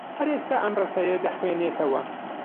هەر ئێستا ئەم ڕستەیە دەخوێنیتەوە.